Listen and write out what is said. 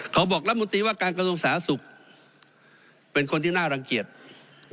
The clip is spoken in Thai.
เขาบอกรัฐมนตรีว่าการกระทรวงสาธารณสุขเป็นคนที่น่ารังเกียจ